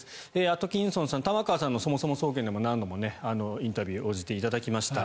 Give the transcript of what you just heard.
アトキンソンさん玉川さんのそもそも総研でも何度もインタビューに応じていただきました。